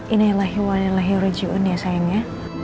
inayelahi wa inayelahi rajiun ya sayangnya